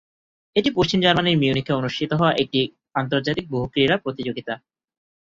এটি পশ্চিম জার্মানির মিউনিখে অনুষ্ঠিত হওয়া একটি আন্তর্জাতিক বহ-ক্রীড়া প্রতিযোগিতা।